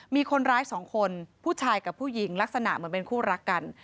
มีคนร้ายสองคนผู้ชายกับผู้หญิงลักษณะเหมือนเป็นคู่รักกัน